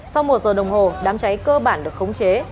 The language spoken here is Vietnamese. sau một giờ đồng hồ đám cháy cơ bản được khống chế